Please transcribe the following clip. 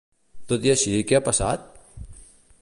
Tot i així que ha passat?